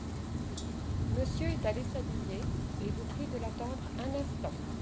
Monsieur est allé s'habiller, et vous prie de l'attendre un instant.